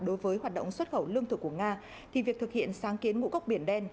đối với hoạt động xuất khẩu lương thực của nga thì việc thực hiện sáng kiến ngũ cốc biển đen